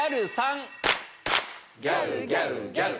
ギャルギャルギャル。